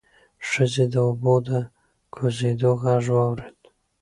ښځې د اوبو د کوزېدو غږ واورېد.